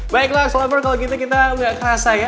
baiklah selamat kalau gitu kita nggak kerasa ya